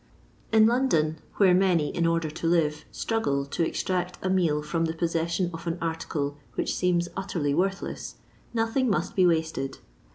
In London, where many, in order to live, struggle to extract a meal from the possession of an article which seems utterly worthless, nothing must be wasted.